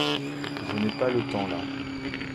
Je n'ai pas le temps là.